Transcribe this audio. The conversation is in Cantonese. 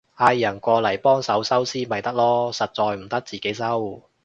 嗌人過嚟幫手收屍咪得囉，實在唔得自己收